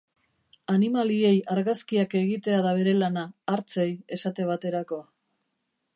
Animaliei argazkiak egitea da bere lana, hartzei esate baterako.